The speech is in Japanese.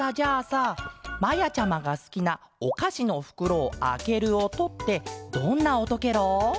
さまやちゃまがすきなおかしのふくろをあけるおとってどんなおとケロ？